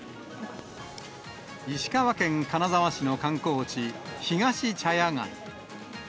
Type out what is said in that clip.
石川県金沢市の観光地、ひがし茶屋街。